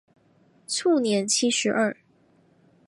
卒年七十二。